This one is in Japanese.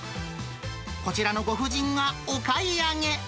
こちらのご婦人がお買い上げ。